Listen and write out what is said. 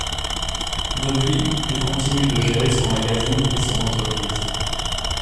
Depuis, il continue de gérer son magazine et son entreprise.